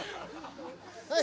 はい。